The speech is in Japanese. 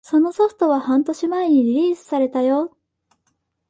そのソフトは半年前にリリースされたよ